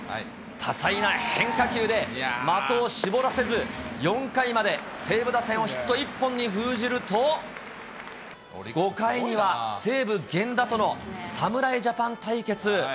多彩な変化球で的を絞らせず、４回まで西武打線をヒット１本に封じると、５回には、西武、源田との、侍ジャパン対決。